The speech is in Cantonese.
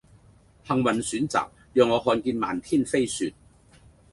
幸運選擇讓我看見漫天飛雪